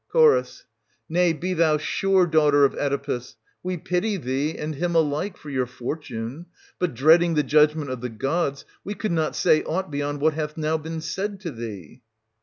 Ch. Nay, be thou sure, daughter of Oedipus, we pity thee and him alike for your fortune ; but, dreading the judgment of the gods, we could not say aught beyond what hath now been said to thee.